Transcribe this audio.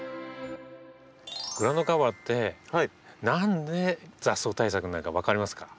グラウンドカバーって何で雑草対策になるか分かりますか？